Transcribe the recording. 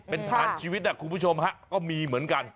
เป็นฐานชีวิตคุณผู้ชมฮะก็มีเหมือนกัน